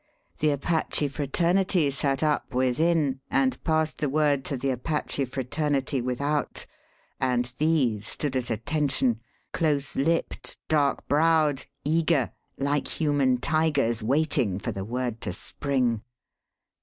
The Apache fraternity sat up within and passed the word to the Apache fraternity without, and these stood at attention close lipped, dark browed, eager, like human tigers waiting for the word to spring.